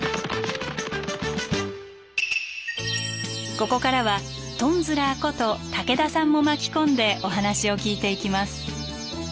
ここからはトンズラーこと武田さんも巻き込んでお話を聞いていきます。